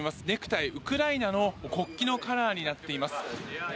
ネクタイ、ウクライナの国旗のカラーになっています。